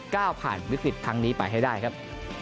ก้าวผ่านวิกฤตทั้งนี้ไปให้ได้ครับ